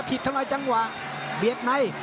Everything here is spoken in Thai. กว่าทิศถนนจังหวะเบียดไหม